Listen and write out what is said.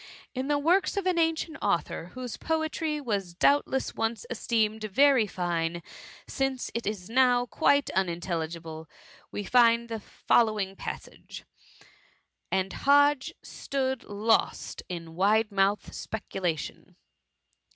In the works of an an cient author, whose poetry was doubtless once esteemed very fine, since it is now quite unin telligible, we find the following passage :—' And Hodge stood lost in wide mou&*d speculation.'